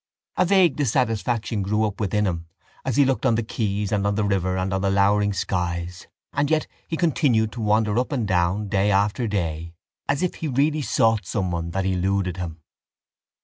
A vague dissatisfaction grew up within him as he looked on the quays and on the river and on the lowering skies and yet he continued to wander up and down day after day as if he really sought someone that eluded him.